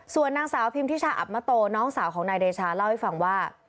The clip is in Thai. ส่วนนางสาวพิมพิชาอับมโตน้องสาวของนายเดชาเล่าให้ฟังว่า